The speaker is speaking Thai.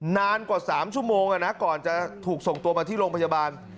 นานกว่า๓ชั่วโมงก่อนจะถูกส่งตัวมาที่โรงพยาบาล